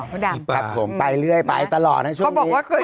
ครับผมไปเรื่อยไปตลอดนะช่วงนี้เขาบอกว่าคืนอันค่ะ